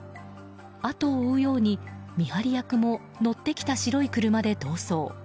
後を追うように見張り役も乗ってきた白い車で逃走。